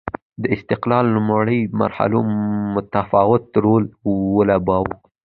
د استقلال لومړنیو مرحلو متفاوت رول ولوباوه.